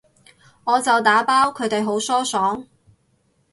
我就打包，佢哋好疏爽